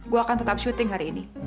gue akan tetap syuting hari ini